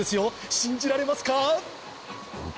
信じられますか？